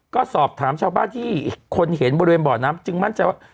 ก็สอบถามชาวบ้านที่คนเห็นบริเวณบ่อน้ำจึงมั่นใจว่า